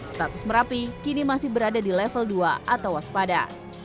status merapi kini masih berada di level dua atau waspada